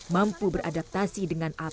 mampu beradaptasi dengan api